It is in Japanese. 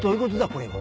これは。